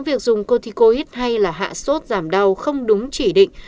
việc dùng corticoid hay là hạ sốt giảm đau không đúng chỉ định